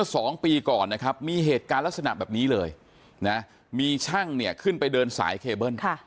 สองปีก่อนนะครับมีเหตุการณ์ลักษณะแบบนี้เลยนะมีช่างเนี่ยขึ้นไปเดินสายเคเบิ้ล